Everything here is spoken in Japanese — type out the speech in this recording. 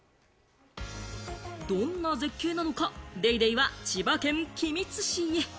どんな絶景なのか、『ＤａｙＤａｙ．』は千葉県君津市へ。